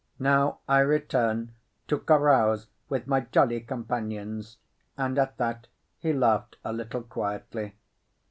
Now I return to carouse with my jolly companions," and at that he laughed a little quietly.